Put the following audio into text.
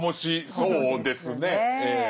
そうですね。